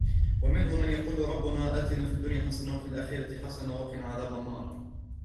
ومنهم من يقول ربنا آتنا في الدنيا حسنة وفي الآخرة حسنة وقنا عذاب النار